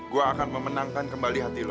gua akan memenangkan kembali hati lu